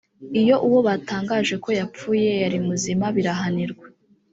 iyo uwo batangaje ko yapfuye yari muzima birahanirwa